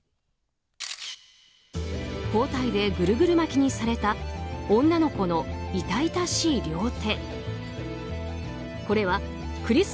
包帯でぐるぐる巻きにされた女の子の痛々しい両手。